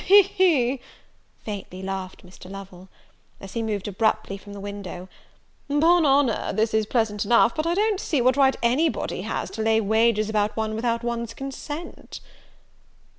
"He, he!" faintly laughed Mr. Lovel, as he moved abruptly from the window; "'pon honour, this is pleasant enough; but I don't see what right any body has to lay wagers about one without one's consent."